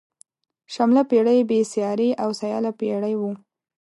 شلمه پيړۍ بې سیارې او سیاله پيړۍ وه.